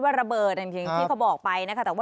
วิ่งออกนอกบ้านกลัว